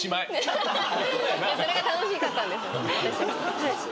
それが楽しかったんです私たち。